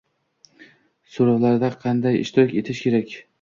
So'rovlarda qanday ishtirok etish kerak?